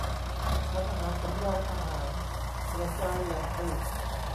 ทางอาหาร : สำรองอาหาร กระจายแหล่งผลิต